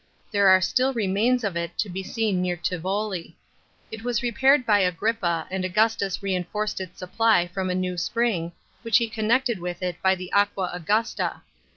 There are still remains of it to be seen near Tivoli. It was repaired by Agrippa, and Augustus reinforced its supply from a new spring, which he connected with it by the Aqua Auyusta.